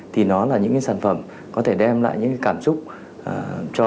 thì nó là những sản phẩm có thể đem lại những cảm xúc